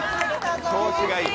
調子がいい。